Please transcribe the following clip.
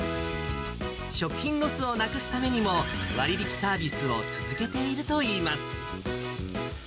食品ロスをなくすためにも、割引サービスを続けているといいます。